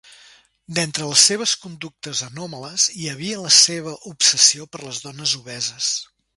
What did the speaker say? D'entre les seves conductes anòmales, hi havia la seva obsessió per les dones obeses.